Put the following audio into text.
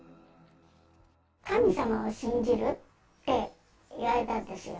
神様を信じる？って言われたんですよ。